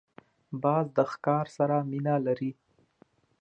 باز د ښکار سره مینه لري